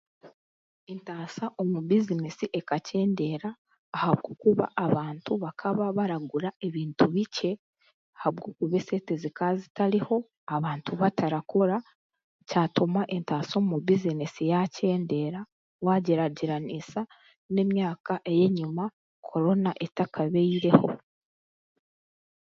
Entasya omu bizinesi ekakyendeera ahabw'okuba abantu bakaba baragura ebintu bikye ahabw'okuba esente zikaba zitariho abantu batarakora kyatuma entasya omu bizinesi yakyendeera wagyeragyeranisa n'emyaaka ey'enyima Corona etakabeireho.